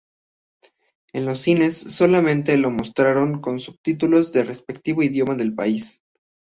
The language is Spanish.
En los cines solamente lo mostraron con subtítulos del respectivo idioma del país.